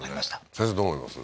先生どう思います？